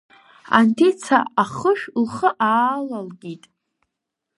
Анҭица ахышә лхы аалалкит.